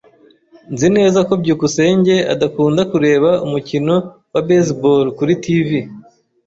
Nzi neza ko byukusenge adakunda kureba umukino wa baseball kuri TV.